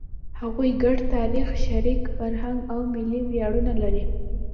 هغوی ګډ تاریخ، شریک فرهنګ او ملي ویاړونه لري.